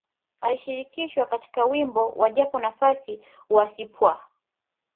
Alishirikishwa katika wimbo wa Japo Nafasi wa Cpwaa